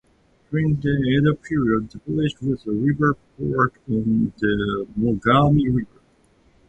During the Edo period, the village was a river port on the Mogami River.